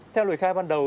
theo lời khai ban đầu